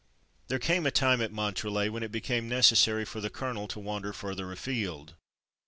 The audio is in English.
There came a time, at Montrelet, when it became necessary for the colonel to wander further afield.